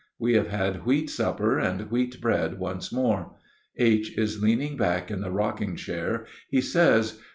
We have had wheat supper and wheat bread once more. H. is leaning back in the rocking chair; he says: "G.